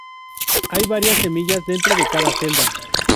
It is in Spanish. Hay varias semillas dentro de cada celda.